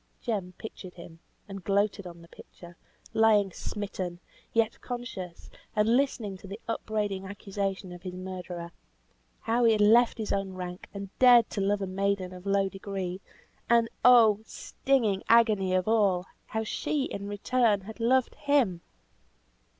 Jem pictured him (and gloated on the picture), lying smitten, yet conscious; and listening to the upbraiding accusation of his murderer. How he had left his own rank, and dared to love a maiden of low degree; and oh! stinging agony of all how she, in return, had loved him!